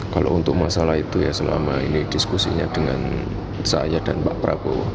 kalau untuk masalah itu ya selama ini diskusinya dengan saya dan pak prabowo